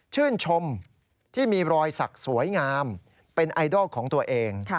ชื่นชมที่มีรอยสักสวยงามเป็นไอดอลของตัวเอง